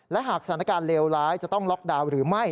และหากสถานการณ์เลวร้ายจะต้องล็อกดาวน์หรือไม่